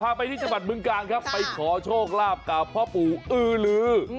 พาไปที่จบัตรเบื้องกาลครับไปขอโชคลาภกับพระปู่อื้อหลือ